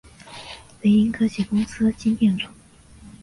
雷凌科技公司晶片组。